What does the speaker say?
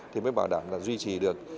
thì mới bảo đảm là duy trì được